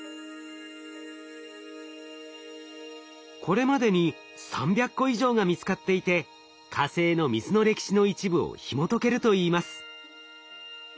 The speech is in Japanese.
これまでに３００個以上が見つかっていて火星の水の歴史の一部をひもとけるといいます。